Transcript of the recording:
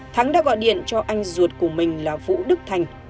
thắng đã gọi điện cho anh ruột của mình là vũ đức thành